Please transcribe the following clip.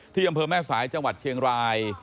อำเภอแม่สายจังหวัดเชียงราย